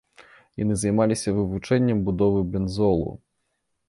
Яны займаліся вывучэннем будовы бензолу.